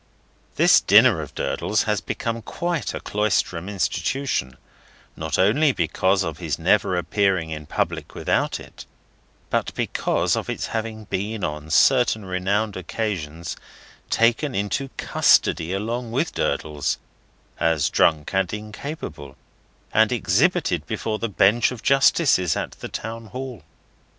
This dinner of Durdles's has become quite a Cloisterham institution: not only because of his never appearing in public without it, but because of its having been, on certain renowned occasions, taken into custody along with Durdles (as drunk and incapable), and exhibited before the Bench of justices at the townhall.